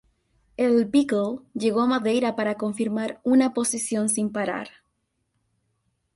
El "Beagle" llegó a Madeira para confirmar una posición sin parar.